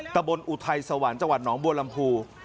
ตะบนอุทัยสวรรค์จังหวัดหนองบัวลำพู